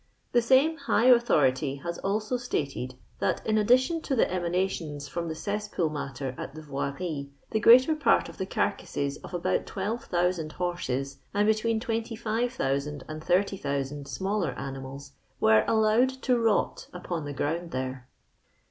The same high authority has also stated, that in addition to the emana tions from the cesspool matter at the Yoirio the greater part of the carcasses of about 12,000 horses, and between 20,000 and 80,000 smaller animals, were allowed to rot upon the ground there.